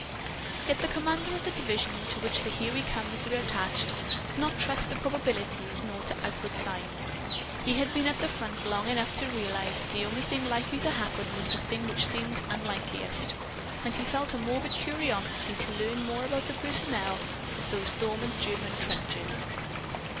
Yet the commander of the division to which the "Here We Comes" were attached did not trust to probabilities nor to outward signs. He had been at the front long enough to realize that the only thing likely to happen was the thing which seemed unlikeliest. And he felt a morbid curiosity to learn more about the personnel of those dormant German trenches.